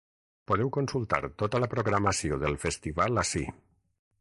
Podeu consultar tota la programació del festival ací.